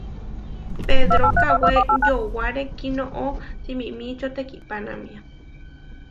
Pedro kawé yowáre kinoʼó simimičío tekipánamia.